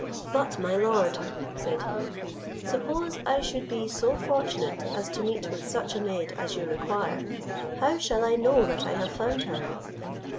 "But, my lord," said he, "suppose I should be so fortunate as to meet with such a maid as you require, how shall I know that I have found her?"